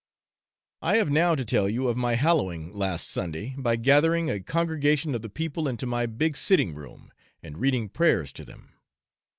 I have now to tell you of my hallowing last Sunday by gathering a congregation of the people into my big sitting room, and reading prayers to them.